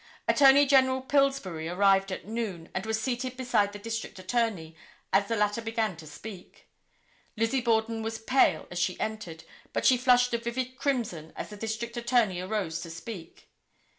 Attorney General Pillsbury arrived at noon, and was seated beside the District Attorney, as the latter began to speak. Lizzie Borden was pale as she entered, but she flushed a vivid crimson as the District Attorney arose to speak.